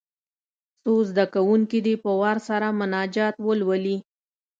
څو زده کوونکي دې په وار سره مناجات ولولي.